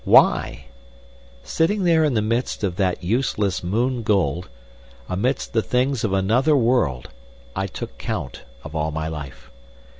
Why? Sitting there in the midst of that useless moon gold, amidst the things of another world, I took count of all my life.